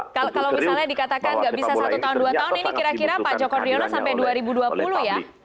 kalau misalnya dikatakan gak bisa satu tahun dua tahun ini kira kira pak joko driono sampai dua ribu dua puluh ya